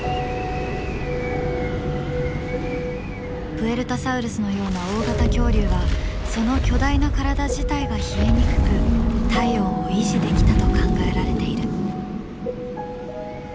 プエルタサウルスのような大型恐竜はその巨大な体自体が冷えにくく体温を維持できたと考えられている。